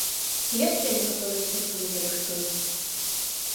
І яшчэ некаторыя сюрпрызы рыхтую.